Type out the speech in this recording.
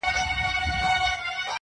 اخترونه به تیریږي یو په بل پسي به راسي!